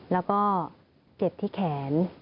แล้วก็เจ็บที่แขน